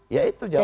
ya itu jawabannya